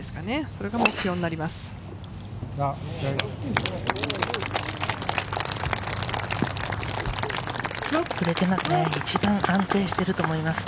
そこが目標になります。